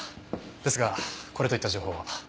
ですがこれといった情報は。